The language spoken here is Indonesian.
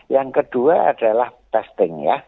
yang kedua adalah testing ya